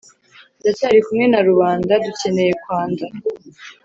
ndacyari kumwe na rubanda ducyeneye kwanda